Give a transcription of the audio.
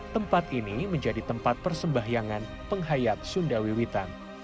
tempat ini menjadi tempat persembahyangan penghayat sunda wiwitan